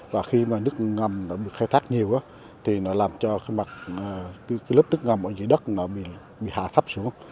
và khi mà nước ngầm nó bị khai thác nhiều thì nó làm cho cái lớp nước ngầm ở dưới đất nó bị hạ thấp xuống